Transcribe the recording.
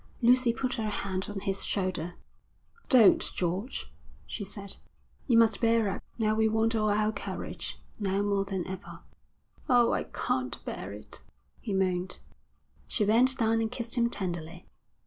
Lucy put her hand on his shoulder. 'Don't, George,' she said. 'You must bear up. Now we want all our courage, now more than ever.' 'Oh, I can't bear it,' he moaned. She bent down and kissed him tenderly.